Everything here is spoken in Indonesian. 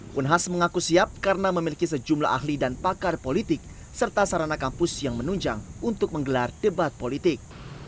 pun has mengaku siap karena memiliki sejumlah ahli dan pakar politik serta sarana kampus yang menunjang untuk menggelar debat politik